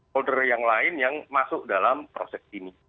holder yang lain yang masuk dalam proses ini